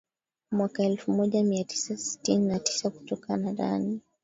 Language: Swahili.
Mwaka elfumoja miatisa sitini na tisa Kutokana ndani